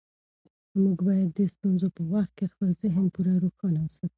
موږ باید د ستونزو په وخت کې خپل ذهن پوره روښانه وساتو.